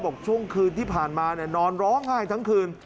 ช่วงคืนที่ผ่านมานอนร้องไห้ทั้งคืน